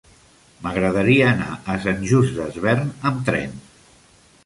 M'agradaria anar a Sant Just Desvern amb tren.